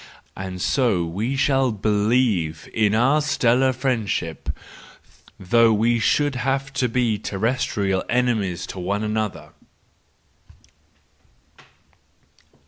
—And so we will believe in our stellar friendship, though we should have to be terrestrial enemies to one another.